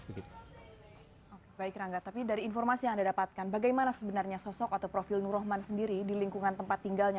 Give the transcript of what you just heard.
baik rangga tapi dari informasi yang anda dapatkan bagaimana sebenarnya sosok atau profil nur rahman sendiri di lingkungan tempat tinggalnya